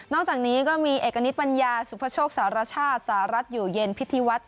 อกจากนี้ก็มีเอกณิตปัญญาสุภโชคสารชาติสหรัฐอยู่เย็นพิธีวัฒน์